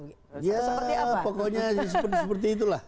ya pokoknya seperti itulah